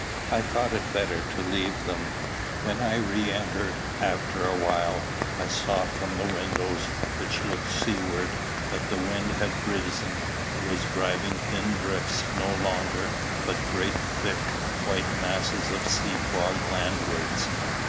I thought it better to leave them. When I re entered after a while, I saw from the windows, which looked sea ward, that the wind had risen, and was driving thin drifts no longer, but great, thick, white masses of sea fog landwards.